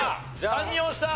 ３人押した。